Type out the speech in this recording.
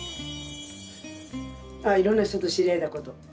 あっいろんな人と知り合えたこと。